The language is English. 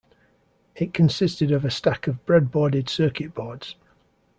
It consisted of a stack of breadboarded circuit boards.